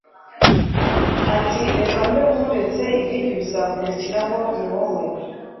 atireka mbe nkuretse ibindi bizakurikiraho niwowe